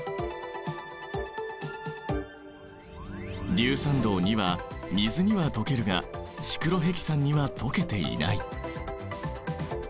硫酸銅は水には溶けるがシクロヘキサンには溶けていない。